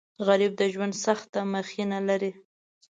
غریب د ژوند سخته مخینه لري